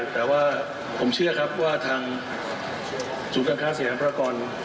แต่ว่าผมเชื่อครับว่าทางสูบการณ์ค้าเสียงพลากร